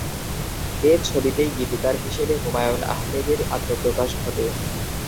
এ ছবিতেই গীতিকার হিসেবে হুমায়ূন আহমেদের আত্মপ্রকাশ ঘটে।